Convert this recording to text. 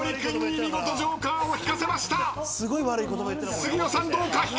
杉野さんどうか？